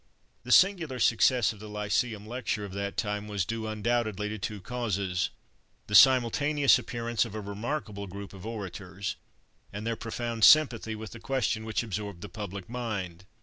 The singular success of the lyceum lecture of that time was due, undoubtedly, to two causes the simultaneous appearance of a remarkable group of orators, and their profound sympathy with the question which absorbed the public mind.